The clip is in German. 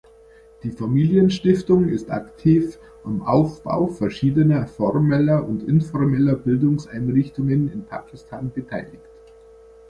Die Familienstiftung ist aktiv am Aufbau verschiedener formeller und informeller Bildungseinrichtungen in Pakistan beteiligt.